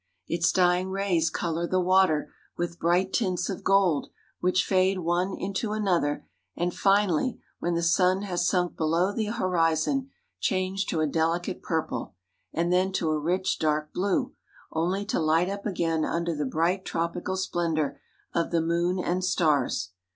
Its dying rays color the water with bright tints of gold, which fade, one into another, and finally, when the sun has sunk below the horizon, change to a delicate purple, and then to a rich, dark blue, only to light up again under the bright tropical splendor of the moon and stars.